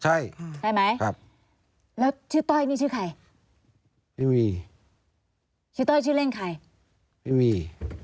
ใช่ค่ะใช่ไหมครับแล้วชื่อต้อยนี่ชื่อใครพี่วีชื่อต้อยชื่อเล่นใครพี่วี